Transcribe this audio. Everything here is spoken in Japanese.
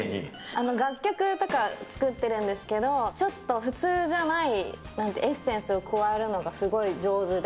楽曲とか作ってるんですけど、ちょっと普通じゃないエッセンスを加えるのがすごい上手で。